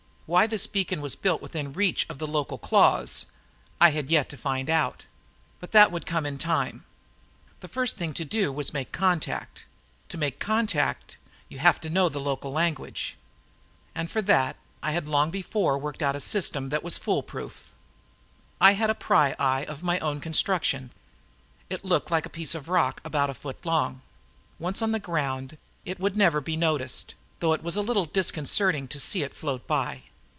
Why this beacon had been built within reach of the local claws, I had yet to find out. But that would come in time. The first thing to do was make contact. To make contact, you have to know the local language. And, for that, I had long before worked out a system that was fool proof. I had a pryeye of my own construction. It looked like a piece of rock about a foot long. Once on the ground, it would never be noticed, though it was a little disconcerting to see it float by.